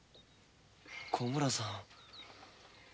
小村さん。